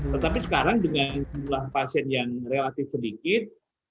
tetapi sekarang dengan jumlah pasien yang relatif sedikit